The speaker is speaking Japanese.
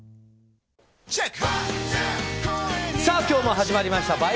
今日も始まりました。